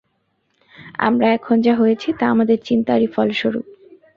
আমরা এখন যা হয়েছি, তা আমাদের চিন্তারই ফলস্বরূপ।